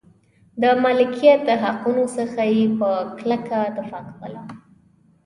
د مالکیت حقونو څخه یې په کلکه دفاع کوله.